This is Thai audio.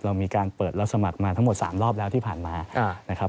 เรามีการเปิดรับสมัครมาทั้งหมด๓รอบแล้วที่ผ่านมานะครับ